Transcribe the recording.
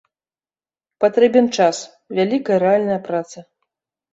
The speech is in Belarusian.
Патрэбен час, вялікая рэальная праца.